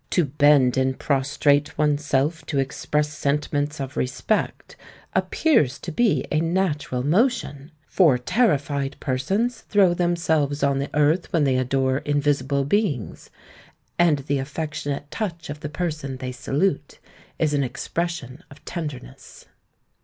To bend and prostrate oneself to express sentiments of respect, appears to be a natural motion; for terrified persons throw themselves on the earth when they adore invisible beings; and the affectionate touch of the person they salute is an expression of tenderness.